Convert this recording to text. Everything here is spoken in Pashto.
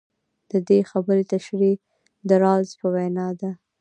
د دې خبرې تشرېح د رالز په وینا ده.